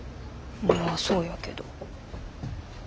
まあそうやけど。